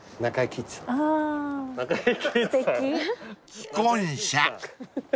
［既婚者！］